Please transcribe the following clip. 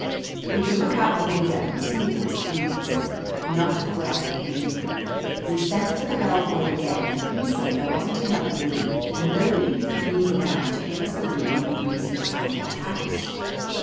We could look out the window and see there was a breeze, but not a breath came in. We sent for the bell boy again, and he said there wasn't another room and nobody he could move around to give us a room on the breezy side of the house.